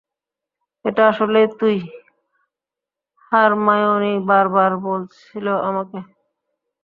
এটা আসলেই তুই, হারমায়োনি বার বার বলছিল আমাকে।